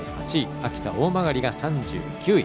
秋田、大曲が３９位。